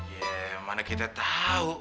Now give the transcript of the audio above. ya mana kita tahu